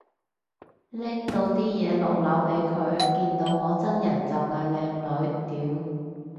拎到啲嘢落樓俾佢，見到我真人就嗌靚女，屌